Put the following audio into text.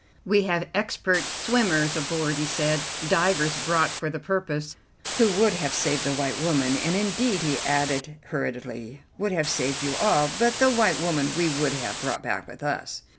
"We have expert swimmers aboard," he said, "divers brought for the purpose, who would have saved the white woman, and indeed," he added hurriedly, "would have saved you all, but the white woman we would have brought back with us."